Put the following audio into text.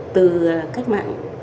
từ cách mạng